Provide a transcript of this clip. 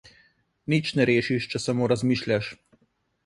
Nič ne rešiš, če samo razmišljaš.